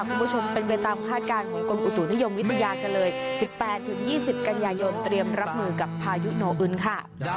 คุณผู้ชมเป็นเป็นตามคาดการณ์ของคนอุตถุนิยมวิทยากันเลยสิบแปดถึงยี่สิบกันอย่างยอมเตรียมรับมือกับพายุโนอื้นค่ะ